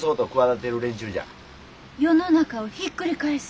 世の中をひっくり返す？